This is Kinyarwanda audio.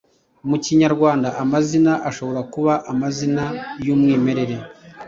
Mu kinyarwanda, amazina ashobora kuba ari amazina y’ “umwimerere”